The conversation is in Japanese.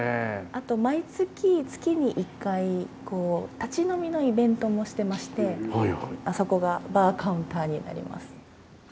あと毎月月に１回立ち飲みのイベントもしてましてあそこがバーカウンターになります。